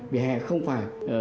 vỉa hè không phải